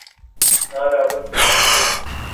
نہ راولپنڈی کے۔